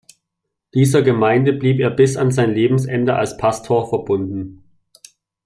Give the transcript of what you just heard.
Dieser Gemeinde blieb er bis an sein Lebensende als Pastor verbunden.